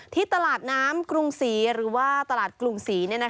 ที่ตลาดน้ำกรุงศรีหรือว่าตลาดกรุงศรี